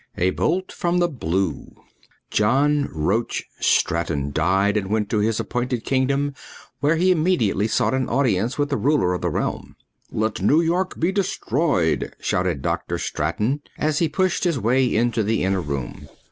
A Bolt from the Blue JOHN ROACH STRATON died and went to his appointed kingdom where he immediately sought an audience with the ruler of the realm. "Let New York be destroyed," shouted Dr. Straton as he pushed his way into the inner room.